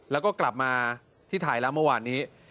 แล้วก็กลับมาที่ไทยแล้วเมื่อวานนี้